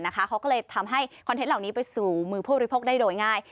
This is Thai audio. เขาก็เลยทำให้คอนเทนต์เหล่านี้ไปสู่มือผู้บริโภคได้โดยง่าย